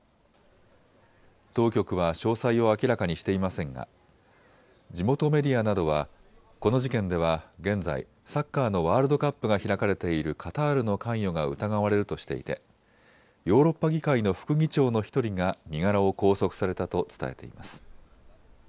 当局は詳細を明らかにしていませんが地元メディアなどはこの事件では現在、サッカーのワールドカップが開かれているカタールの関与が疑われるとしていてヨーロッパ議会の副議長の１人が身柄を拘束されたと伝えています。